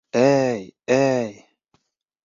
— Әй-әй!